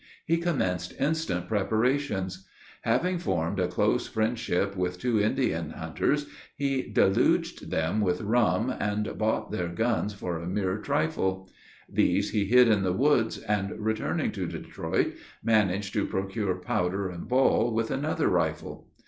He commenced instant preparations. Having formed a close friendship with two Indian hunters, he deluged them with rum, and bought their guns for a mere trifle. These he hid in the woods, and returning to Detroit, managed to procure powder and ball, with another rifle.